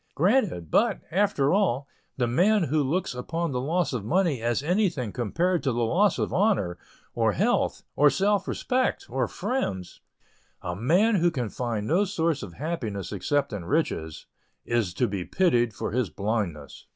Granted, but, after all, the man who looks upon the loss of money as anything compared to the loss of honor, or health, or self respect, or friends, a man who can find no source of happiness except in riches, is to be pitied for his blindness.